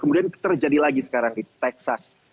kemudian terjadi lagi sekarang di texas